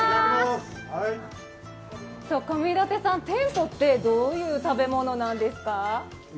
てんぽってどういう食べ物なんですか？